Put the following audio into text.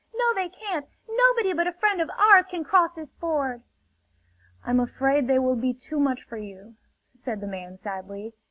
"No they can't! Nobody but a friend of ours can cross this ford!" "I'm afraid they will be too much for you," said the man sadly.